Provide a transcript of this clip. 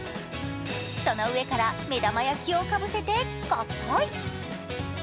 その上から目玉焼きをかぶせて合体。